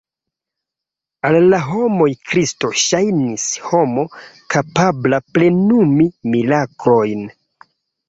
Al la homoj Kristo ŝajnis homo kapabla plenumi miraklojn.